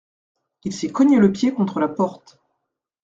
Il s’est cogné le pied contre la porte.